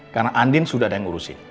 karena andin sudah ada yang urusin